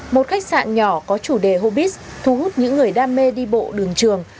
một khách sạn nhỏ có chủ đề hobbis thu hút những người đam mê đi bộ đường trường